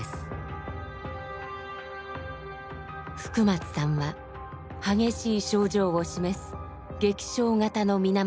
福松さんは激しい症状を示す劇症型の水俣病。